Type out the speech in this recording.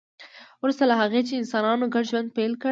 وروسته له هغه چې انسانانو ګډ ژوند پیل کړ